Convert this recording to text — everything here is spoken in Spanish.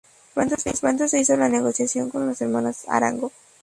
Pronto se hizo la negociación con las hermanas Arango.